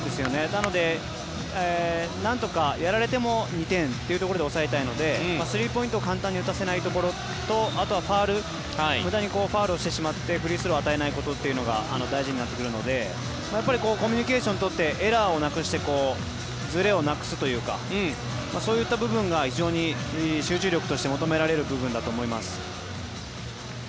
なので、なんとかやられても２点というところで抑えたいので、スリーポイントを簡単に打たせないところとあとはファウル無駄にファウルをしてしまってフリースローを与えないことが大事になってくるのでやっぱりコミュニケーション取ってエラーをなくしてずれをなくすというかそういった部分が非常に集中力として求められると思います。